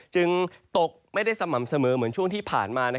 จึงตกไม่ได้สม่ำเสมอเหมือนช่วงที่ผ่านมา